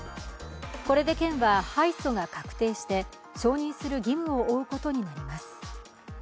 これで県は敗訴が確定して承認する義務を負うことになります。